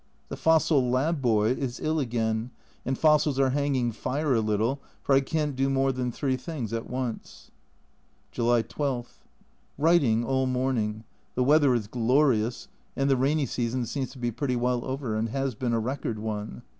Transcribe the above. The fossil lab. boy is ill again, and fossils are hanging fire a little, for I can't do more than three things at once. July 12. Writing all morning ; the weather is glorious, and the rainy season seems to be pretty well over, and has been a record one.